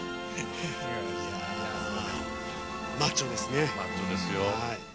マッチョですね。